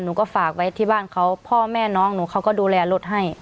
หนูก็ฝากไว้ที่บ้านเขาพ่อแม่น้องหนูเขาก็ดูแลรถให้